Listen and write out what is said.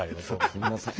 すいません。